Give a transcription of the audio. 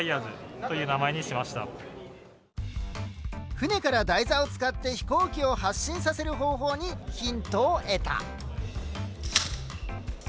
船から台座を使って飛行機を発進させる方法にヒントを得た。